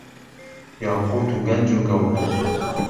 یاقووت و گهنج و گهوهەر